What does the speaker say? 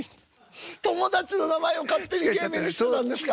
友達の名前を勝手に芸名にしてたんですか。